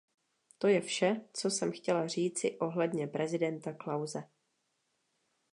To je vše, co jsem chtěla říci ohledně prezidenta Klause.